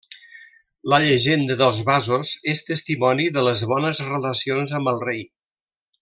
La llegenda dels vasos és testimoni de les bones relacions amb el rei.